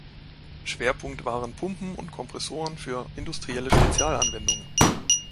Schwerpunkt waren Pumpen und Kompressoren für industrielle Spezialanwendungen.